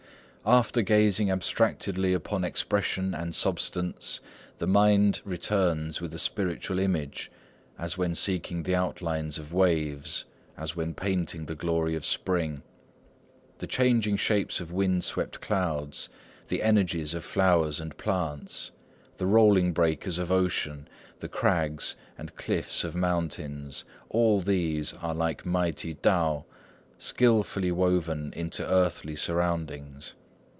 "After gazing abstractedly upon expression and substance, The mind returns with a spiritual image, As when seeking the outlines of waves, As when painting the glory of spring. The changing shapes of wind swept clouds, The energies of flowers and plants, The rolling breakers of ocean, The crags and cliffs of mountains, All these are like mighty TAO, Skilfully woven into earthly surroundings